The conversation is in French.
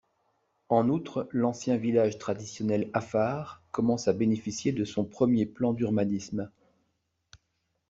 En outre, l'ancien village traditionnel afar, commence à bénéficier de son premier plan d'urbanisme.